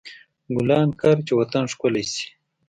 ګلان کر، چې وطن ښکلی شي.